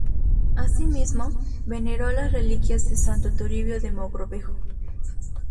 Asimismo, veneró las reliquias de santo Toribio de Mogrovejo.